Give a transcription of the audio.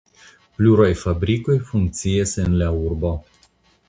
Pluraj fabrikoj funkcias en la urbo.